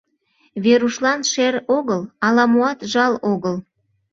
Верушлан шер огыл, ала-моат жал огыл.